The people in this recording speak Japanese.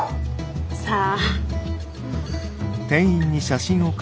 さあ。